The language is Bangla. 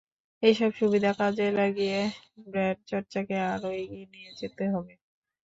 এসব সুবিধা কাজে লাগিয়ে ব্যান্ড চর্চাকে আরও এগিয়ে নিয়ে যেতে হবে।